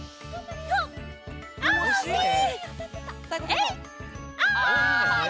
えい！